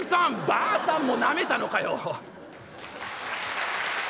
「ばあさんもなめたのかよ！」。